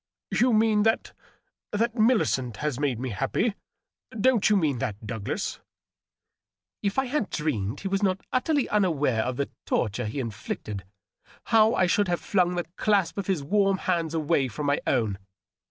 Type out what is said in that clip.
" You mean that — ^that Millicent has made me happy? Don't you mean that, Douglas ?" If I had dreamed he was not utterly unaware of the torture he inflicted, how I should have flung the clasp of his warm hands away from my own